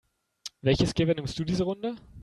Welches Gewehr nimmst du diese Runde?